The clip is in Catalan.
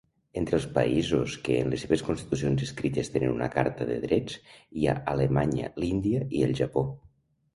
Entre els països que en les seves constitucions escrites tenen una carta de drets hi ha Alemanya, l'Índia i el Japó.